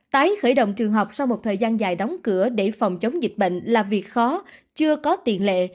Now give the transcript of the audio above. tái khởi động trường học sau một thời gian dài đóng cửa để phòng chống dịch bệnh là việc khó chưa có tiền lệ